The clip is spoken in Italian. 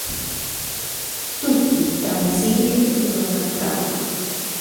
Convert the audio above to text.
Tutti, tranne Sigrid, furono catturati.